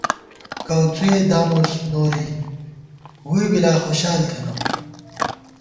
کؤڅُوئے دامِتُس نوری، ووئی بی لا خوشال تھنہ